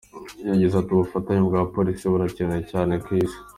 Yagize ati “Ubufatanye bwa Polisi burakenewe cyane ku isi.